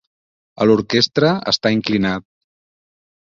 A l'orquestra està inclinat.